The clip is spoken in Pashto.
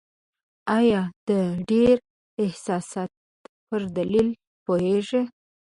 آیا د ډېر حساسیت پر دلیل پوهیږئ؟